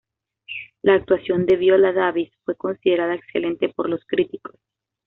La actuación de Viola Davis fue considerada excelente por los críticos.